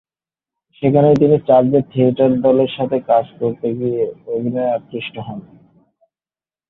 সেখানেই তিনি চার্চের থিয়েটার দলের সাথে কাজ করতে গিয়ে অভিনয়ে আকৃষ্ট হন।